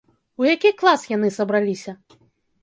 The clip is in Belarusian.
У які клас яны сабраліся?